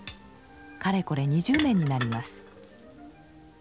かれこれ２０年になります。